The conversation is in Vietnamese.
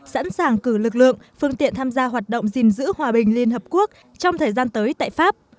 sẵn sàng cử lực lượng phương tiện tham gia hoạt động gìn giữ hòa bình liên hợp quốc trong thời gian tới tại pháp